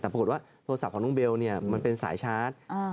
แต่ปรากฏว่าโทรศัพท์ของน้องเบลมันเป็นสายชาร์จ